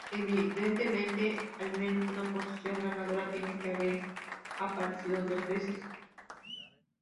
Evidentemente, al menos una posición ganadora tiene que haber aparecido dos veces.